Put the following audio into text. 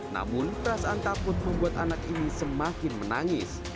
namun perasaan takut membuat anak ini semakin menangis